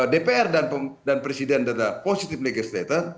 dpr dan presiden adalah positive legislator